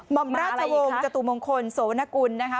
อมราชวงศ์จตุมงคลโสวนกุลนะคะ